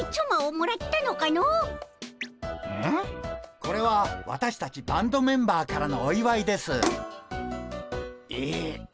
これは私たちバンドメンバーからのおいわいです。え。